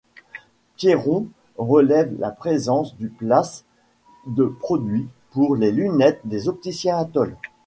Pierron relève la présence du place de produit pour les lunettes des opticiens Atol.